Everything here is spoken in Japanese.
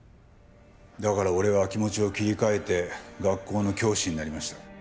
だから俺は気持ちを切り替えて学校の教師になりました。